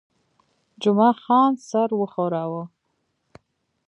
جمعه خان سر وښوراوه.